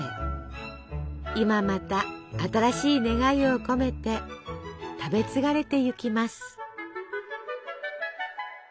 今また新しい願いを込めて食べ継がれてゆきます。